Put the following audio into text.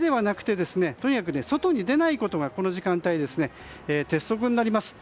とにかく、外に出ないことがこの時間帯は鉄則になります。